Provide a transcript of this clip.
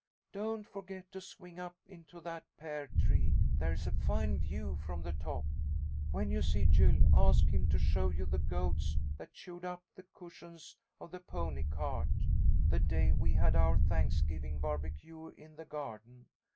Don't forget to swing up into that pear tree. There's a fine view from the top. "When you see Jules, ask him to show you the goats that chewed up the cushions of the pony cart, the day we had our Thanksgiving barbecue in the garden.